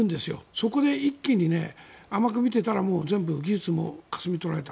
そこで一気に甘く見ていたら全部、技術もかすめ取られた。